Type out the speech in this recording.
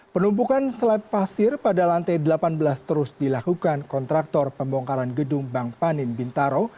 penumpukan sleb pasir pada lantai delapan belas terus dilakukan kontraktor pembongkaran gedung bank panin bintaro